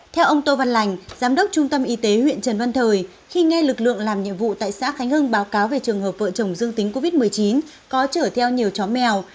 theo ông tô văn lành giám đốc trung tâm y tế huyện trần văn thời khi nghe lực lượng làm nhiệm vụ tại xã khánh hưng báo cáo về trường hợp vợ chồng dương tính covid một mươi chín có chở theo nhiều chó mèo